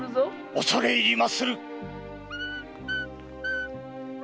おそれ入りまする。